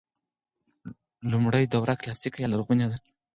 لومړۍ دوره کلاسیکه یا لرغونې ده.